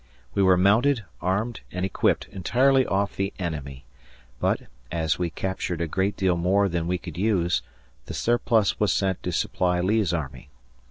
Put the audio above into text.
We were mounted, armed, and equipped entirely off the enemy, but, as we captured a great deal more than we could use, the surplus was sent to supply Lee's army.